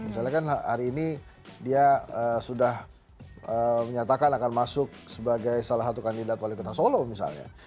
misalnya kan hari ini dia sudah menyatakan akan masuk sebagai salah satu kandidat wali kota solo misalnya